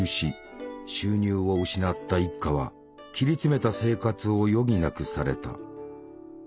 収入を失った一家は切り詰めた生活を余儀なくされた。